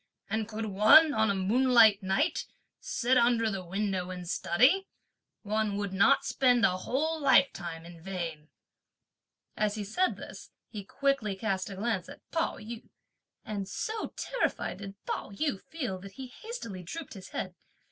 and could one, on a moonlight night, sit under the window and study, one would not spend a whole lifetime in vain!" As he said this, he quickly cast a glance at Pao yü, and so terrified did Pao yü feel that he hastily drooped his head.